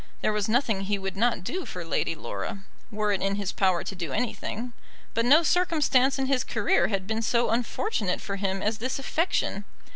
There was nothing he would not do for Lady Laura, were it in his power to do anything. But no circumstance in his career had been so unfortunate for him as this affection.